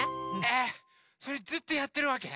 えっ⁉それずっとやってるわけ？